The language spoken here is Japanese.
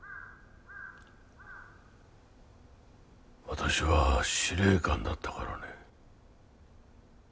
私は司令官だったからね。